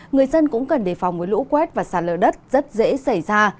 người dân cũng cần đề phòng với lũ quét và sạt lở đất rất dễ xảy ra